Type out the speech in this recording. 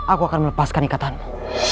aku akan melepaskan ikatanmu